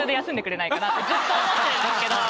ずっと思ってるんですけど。